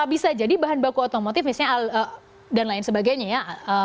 bisa jadi bahan baku otomotif misalnya dan lain sebagainya ya